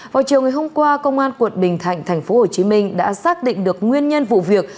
vào chiều ngày hôm qua công an quận bình thạnh tp hcm đã xác định được nguyên nhân vụ việc